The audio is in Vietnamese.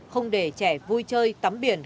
không để trẻ vui chơi tắm biển